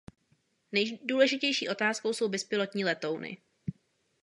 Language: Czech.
Nejdůležitější otázkou jsou bezpilotní letouny.